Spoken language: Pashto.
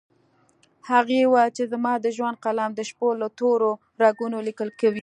هغې وويل چې زما د ژوند قلم د شپو له تورو رګونو ليکل کوي